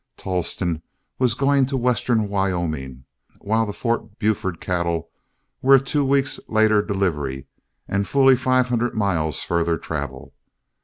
Tolleston was going to western Wyoming, while the Fort Buford cattle were a two weeks' later delivery and fully five hundred miles farther travel.